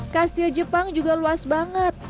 kastil jepang juga luas banget